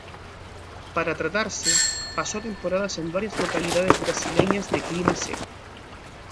Para tratarse pasó temporadas en varias localidades brasileñas de clima seco.